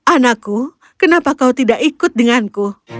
anakku kenapa kau tidak ikut denganku